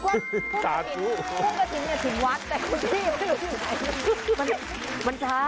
ทุกข้าทุกข้าทุกข้า